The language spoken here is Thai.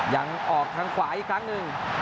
ยังออกทางขวาอีกครั้งหนึ่ง